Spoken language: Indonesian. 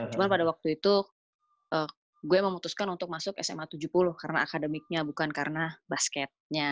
cuma pada waktu itu gue memutuskan untuk masuk sma tujuh puluh karena akademiknya bukan karena basketnya